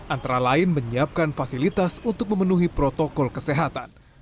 antara lain menyiapkan fasilitas untuk memenuhi protokol kesehatan